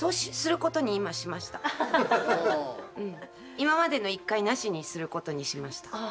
今までの一回なしにすることにしました。